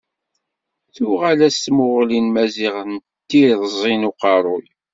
Tuɣal-as tmuɣli n Maziɣ d tirẓi n uqerruy.